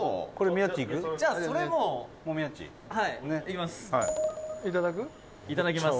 宮田：じゃあ、それ、もういきます！